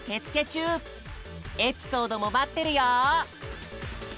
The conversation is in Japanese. エピソードも待ってるよ！